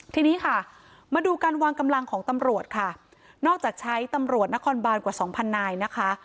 ทีนี้ค่ะมาดูการวางกำลังของตำรวจค่ะนอกจากใช้ตำรวจนครบานกว่าสองพันนายนะคะ